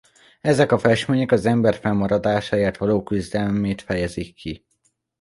Ezek a festmények az ember fennmaradásáért való küzdelmét fejezik ki.